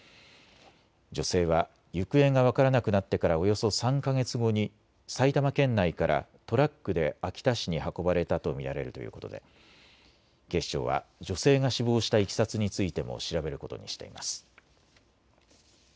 女性は行方が分からなくなってからおよそ３か月後に埼玉県内からトラックで秋田市に運ばれたと見られるということで警視庁は女性が死亡したいきさつについても調べることにしています。